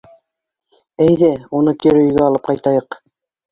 Әйҙә, уны кире өйгә алып ҡайтайыҡ.